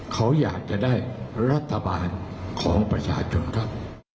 เขาอยากจะได้รัฐบาลของประชาชนครับ